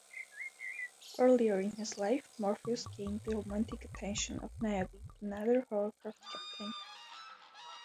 Earlier in his life, Morpheus gained the romantic attention of Niobe, another hovercraft captain.